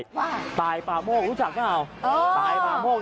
ว่าตายปลาโม่รู้จักไหม